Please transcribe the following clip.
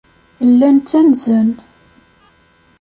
Llan ttanzen.